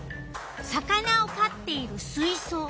魚をかっている水そう。